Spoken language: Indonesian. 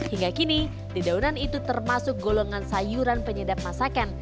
hingga kini dedaunan itu termasuk golongan sayuran penyedap masakan